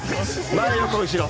前、横、後ろ。